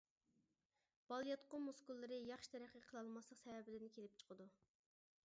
بالىياتقۇ مۇسكۇللىرى ياخشى تەرەققىي قىلالماسلىق سەۋەبىدىن كېلىپ چىقىدۇ.